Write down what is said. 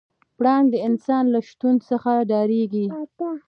پړانګ د انسان له شتون څخه ډارېږي.